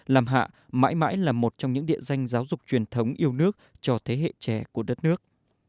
làm hạ mãi mãi là một trong những địa danh giáo dục truyền thống yêu nước cho thế hệ trẻ của đất nước